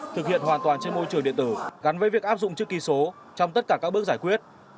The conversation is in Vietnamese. thực hiện hoàn toàn trên môi trường điện tử gắn với việc áp dụng chữ ký số trong tất cả các bước giải quyết